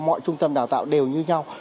mọi trung tâm đào tạo đều như nhau